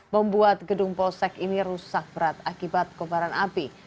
membuat gedung polsek ini rusak berat akibat kobaran api